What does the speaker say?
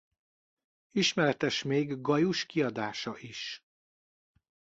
Ismeretes még Gajus-kiadása is.